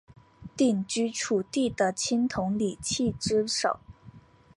鼎居楚地的青铜礼器之首。